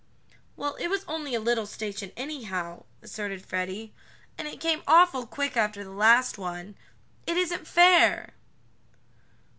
"Well, it was only a little station, anyhow," asserted Freddie, "and it came awful quick after the last one. It isn't fair!"